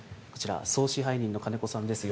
こちら総支配人の金子さんです。